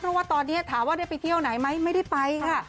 เพราะว่าตอนนี้ถามว่าได้ไปเที่ยวไหนไหมไม่ได้ไปค่ะ